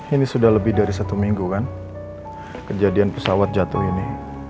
ini sudah lebih dari satu minggu kan kejadian pesawat jatuh ini